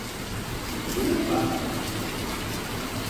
Lioba“" hin.